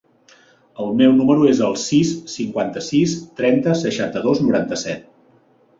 El meu número es el sis, cinquanta-sis, trenta, seixanta-dos, noranta-set.